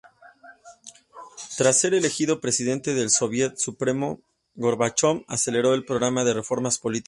Tras ser elegido presidente del Soviet Supremo, Gorbachov aceleró el programa de reformas políticas.